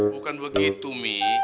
bukan begitu mi